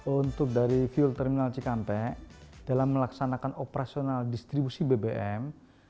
untuk dari fuel terminal cikampek dalam melaksanakan operasional distribusi bbm